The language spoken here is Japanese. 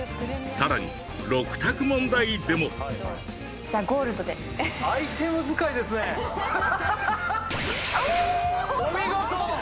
さらに６択問題でもおおっ！